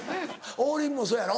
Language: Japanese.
王林もそやろ？